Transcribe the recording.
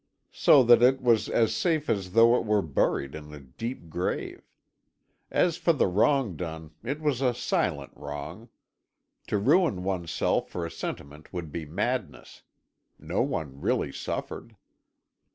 So that it was as safe as though it were buried in a deep grave. As for the wrong done, it was a silent wrong. To ruin one's self for a sentiment would be madness; no one really suffered.